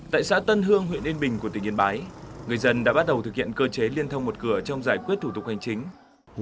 tại xã tân hương huyện yên bình của tỉnh yên bái người dân đã bắt đầu thực hiện cơ chế liên thông một cửa trong giải quyết thủ tục hành chính